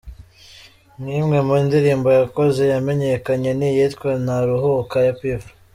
Nk’imwe mu ndirimbo yakoze yamenyekanye ni iyitwa “Ntaruhuka” ya P Fla.